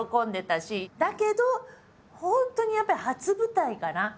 だけど本当にやっぱり初舞台かな。